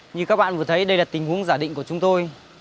như các bạn vừa thấy đây là tình huống giả định của chúng tôi